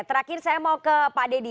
terakhir saya mau ke pak deddy